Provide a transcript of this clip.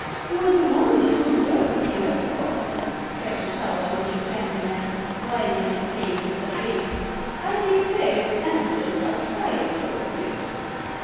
"What a wonderful bird you have got!" said the sour looking gentleman, rising and paying Mr. Trigge. "I declare its answers are quite appropriate."